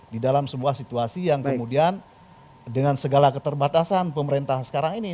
di dalam sebuah situasi yang kemudian dengan segala keterbatasan pemerintah sekarang ini